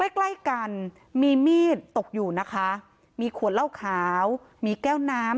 ใกล้ใกล้กันมีมีดตกอยู่นะคะมีขวดเหล้าขาวมีแก้วน้ำ